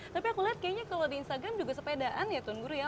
tapi aku lihat kayaknya kalau di instagram juga sepedaan ya tuan guru ya